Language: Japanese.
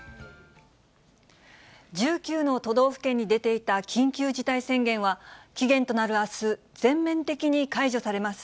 １９の都道府県に出ていた緊急事態宣言は、期限となるあす、全面的に解除されます。